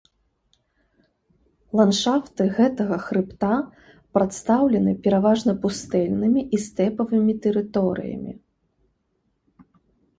Ландшафты гэтага хрыбта прадстаўлены пераважна пустэльнымі і стэпавымі тэрыторыямі.